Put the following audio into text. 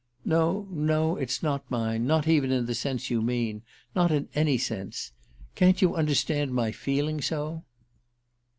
"No, no, it's not mine not even in the sense you mean. Not in any sense. Can't you understand my feeling so?"